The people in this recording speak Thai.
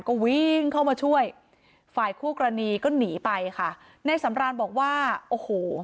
ก็วิ่งเข้ามาช่วยฝ่ายคู่กรณีก็หนีไปค่ะในสำรานบอกว่าโอ้โห